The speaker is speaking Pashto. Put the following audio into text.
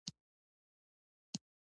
بالاخره موږ روان شولو: